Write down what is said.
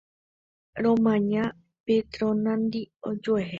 Romaña Petronandi ojuehe